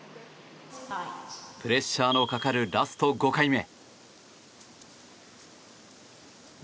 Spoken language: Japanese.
プレッシャーのかかるラスト５回目。